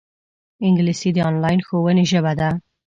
انګلیسي د انلاین ښوونې ژبه ده